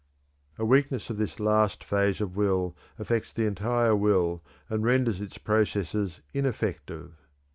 A weakness of this last phase of will affects the entire will and renders its processes ineffective.